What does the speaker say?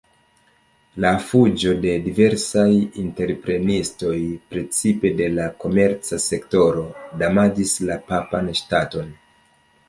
La fuĝo de diversaj entreprenistoj, precipe de la komerca sektoro, damaĝis la papan ŝtaton.